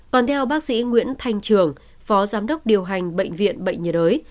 còn theo bác sĩ nguyễn thanh trường phó giám đốc điều hành bệnh viện bệnh nhiệt đới